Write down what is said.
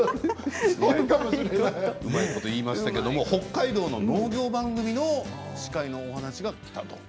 うまいこと言いましたけれども北海道の農業番組の司会の話がきたと。